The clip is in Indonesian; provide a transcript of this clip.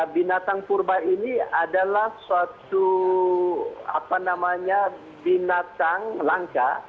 binatang purba ini adalah suatu binatang langka